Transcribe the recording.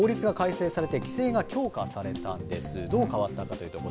去年、法律が改正されて規制が強化されたんです。